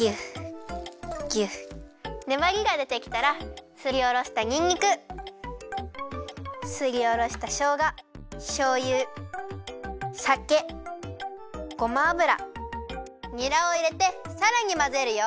ねばりがでてきたらすりおろしたにんにくすりおろしたしょうがしょうゆさけごま油にらをいれてさらにまぜるよ。